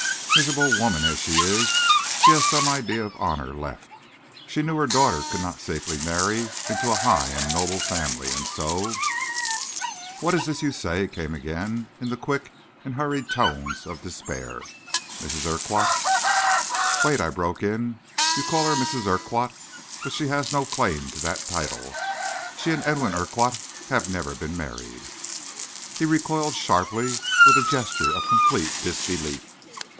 Miserable woman as she is, she has some idea of honor left. She knew her daughter could not safely marry into a high and noble family, and so " "What is this you say?" came again in the quick and hurried tones of despair. "Mrs. Urquhart " "Wait," I broke in. "You call her Mrs. Urquhart, but she has no claim to that title. She and Edwin Urquhart have never been married." He recoiled sharply, with a gesture of complete disbelief.